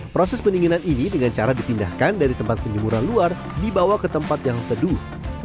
proses pendinginan ini dengan cara dipindahkan dari tempat penyemuran luar dibawa ke tempat yang teduh